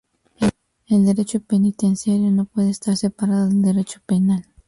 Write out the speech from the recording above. El derecho penitenciario no puede estar separado del derecho penal.